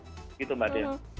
gitu mbak dea